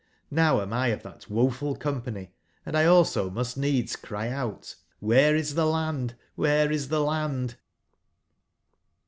now am X of thatwof ul company, and 1 also must needs cry out CQhere is the land? ^here is the land?''